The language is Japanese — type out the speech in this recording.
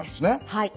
はい。